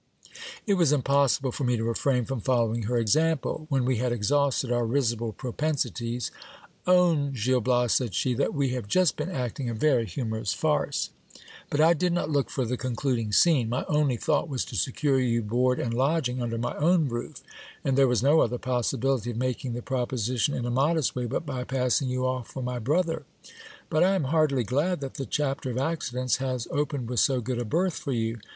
It was impossible for me to refrain from following her example. When we had exhausted our risible propensities, Own, Gil Bias, said she, that we have just been acting a very humorous farce. But I did not look for the concluding scene. My only thought was to secure you board and lodging under my own roof; and there was no other possibility of making the proposition in a modest way but by pass ing you off for my brother. But I am heartily glad that the chapter of accidents has opened with so good a berth for you.